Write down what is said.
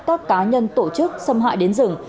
các cá nhân tổ chức xâm hại đến rừng